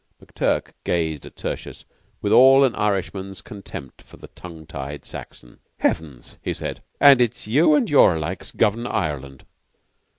McTurk gazed at Tertius with all an Irishman's contempt for the tongue tied Saxon. "Heavens!" he said. "And it's you and your likes govern Ireland.